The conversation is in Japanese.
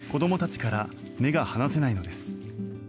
そのため、子どもたちから目が離せないのです。